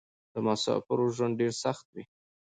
د مسافرو ژوند ډېر سخت وې.